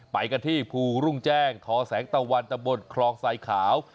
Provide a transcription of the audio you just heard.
ไปกันที่ภูรุ่งแจ้งทอแสงตะวันตะบนคลองสายขาว